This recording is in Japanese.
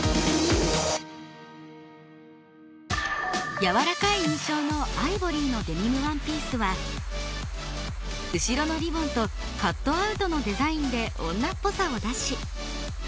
やわらかい印象のアイボリーのデニムワンピースは後ろのリボンとカットアウトのデザインで女っぽさを出し。